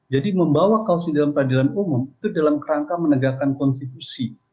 jadi membawa kaos di dalam peradilan umum itu dalam kerangka menegakkan konstitusi